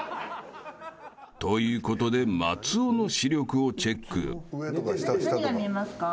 ［ということで松尾の視力をチェック］